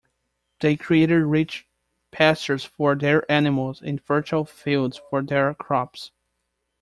They created rich pastures for their animals and fertile fields for their crops.